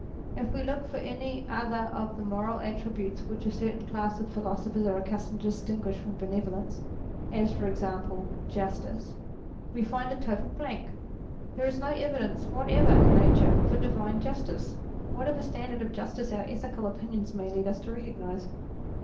If we look for any other of the moral attributes which a certain class of philosophers are accustomed to distinguish from benevolence, as for example Justice, we find a total blank. There is no evidence whatever in Nature for divine j ustice, whatever standard of justice our ethical opinions may lead us to recognize.